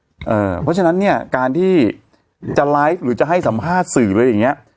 เพราะฉะนั้นเนี่ยการที่จะไลฟ์หรือจะให้สัมภาษณ์สื่ออะไรอย่างนี้